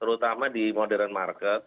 terutama di modern market